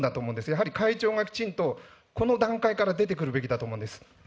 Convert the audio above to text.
やはり会長がきちんとこの段階から出てくるべきだと思うんです。